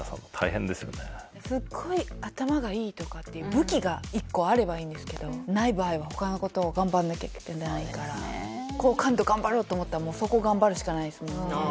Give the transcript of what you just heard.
すごい頭がいいとかっていう武器が１個あればいいんですけどない場合は他のことを頑張らなきゃいけないから好感度頑張ろうと思ったらそこを頑張るしかないですもんね